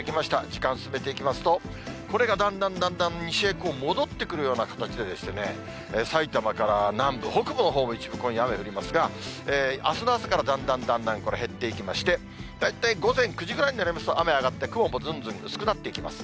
時間進めていきますと、これがだんだんだんだん西へ戻ってくるような形で、埼玉から南部、北部のほうも一部、今夜、雨降りますが、あすの朝からだんだんだんだん、これ、減っていきまして、大体、午前９時ぐらいになりますと、雨上がって、雲もずんずん薄くなっていきます。